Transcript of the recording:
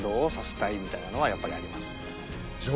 みたいなのはやっぱりあります。